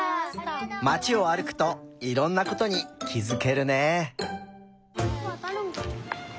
まちをあるくといろんなことにきづけるね。